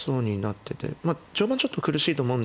まあ序盤ちょっと苦しいと思うんですけど。